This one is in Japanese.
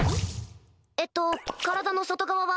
えっと体の外側は。